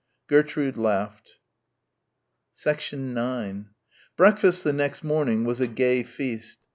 Gertrude laughed. 9 Breakfast the next morning was a gay feast.